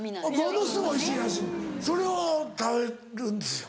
ものすごいおいしいらしいそれを食べるんですよ。